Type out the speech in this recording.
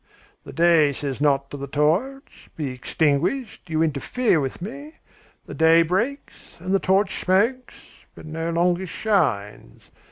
The day says not to the torch: 'Be extinguished; you interfere with me.' The day breaks, and the torch smokes, but no longer shines.